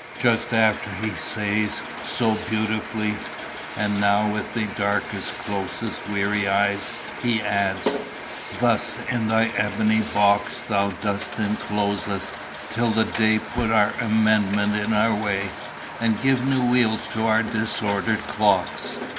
Just after he says, so beautifully, 'And now with darkness closest weary eyes,' he adds: Thus in thy ebony box Thou dost enclose us, till the day Put our amendment in our way, And give new wheels to our disordered clocks."